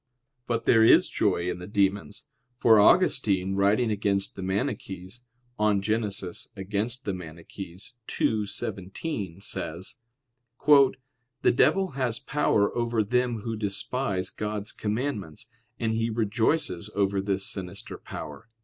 But there is joy in the demons: for Augustine writing against the Maniches (De Gen. Contra Manich. ii, 17) says: "The devil has power over them who despise God's commandments, and he rejoices over this sinister power."